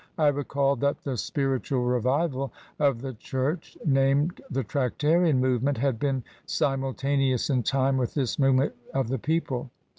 " I recalled that the spir itual revival of the church named the Tractarian move ment had been simultaneous in time with this movement of the people.